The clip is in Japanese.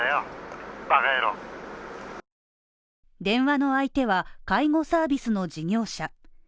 電話の相手は介護サービスの事業者。